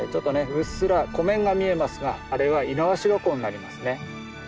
うっすら湖面が見えますがあれは猪苗代湖になりますね。